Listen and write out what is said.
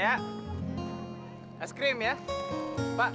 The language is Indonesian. didi didi didi marah banget